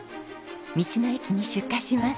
道の駅に出荷します。